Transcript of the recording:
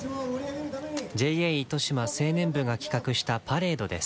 ＪＡ糸島青年部が企画したパレードです。